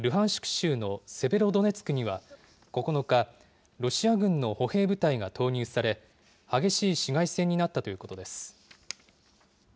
州のセベロドネツクには、９日、ロシア軍の歩兵部隊が投入され、激しい市街戦になったということです。